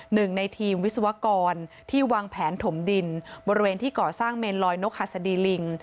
หนึ่งในทีมวิศวกรที่วางแผนถมดินบริเวณที่ก่อสร้างเมนลอยนกหัสดีลิง